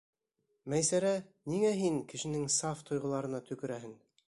Мәйсәрә, ниңә һин кешенең саф тойғоларына төкөрәһең?